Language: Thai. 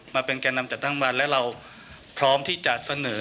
มาเป็นแก่นำจัดตั้งวันและเราพร้อมที่จะเสนอ